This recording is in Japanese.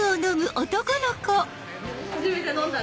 初めて飲んだ。